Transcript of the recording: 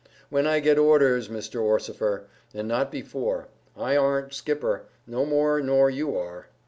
"When I get orders, Mr Orsifer, and not before. I aren't skipper, no more nor you are."